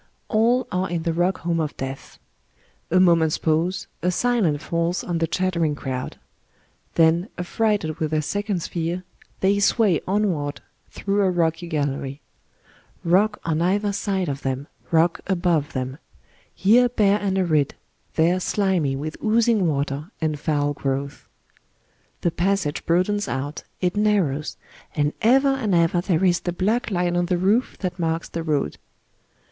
All are in the rock home of Death. A moment's pause, a silence falls on the chatter ing crowd. Then, affrighted with their second's fear, they sway onward through a rocky gallery. Rock on either side of them, rock above them } here bare and arid, there slimy with oozing water and fowl growths. The passage broadens out, it narrows, and ever and ever there is the black line on the roof that marks the road.